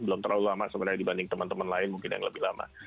belum terlalu lama sebenarnya dibanding teman teman lain mungkin yang lebih lama